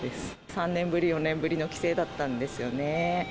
３年ぶり、４年ぶりの帰省だったんですよね。